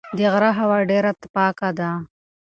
د غره هوا ډېره پاکه ده.